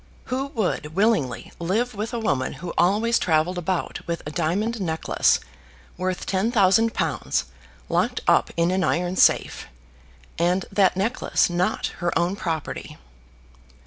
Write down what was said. Who would willingly live with a woman who always travelled about with a diamond necklace worth ten thousand pounds, locked up in an iron safe, and that necklace not her own property.